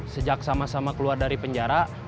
sejak sama sama keluar dari penjara